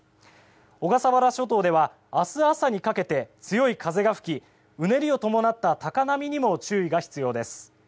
小笠原諸島では明日朝にかけて強い風が吹きうねりを伴った高波にも注意が必要です。